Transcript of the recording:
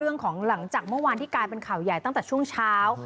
หลังจากเมื่อวานที่กลายเป็นข่าวใหญ่ตั้งแต่ช่วงเช้า